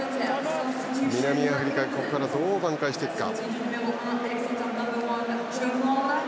南アフリカがどう挽回していくか。